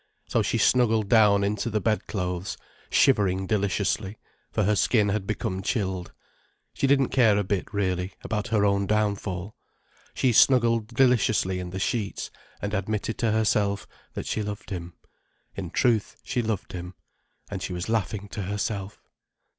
So she snuggled down into the bedclothes, shivering deliciously, for her skin had become chilled. She didn't care a bit, really, about her own downfall. She snuggled deliciously in the sheets, and admitted to herself that she loved him. In truth, she loved him—and she was laughing to herself.